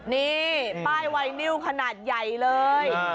นี่ป้ายไวนิวขนาดใหญ่เลย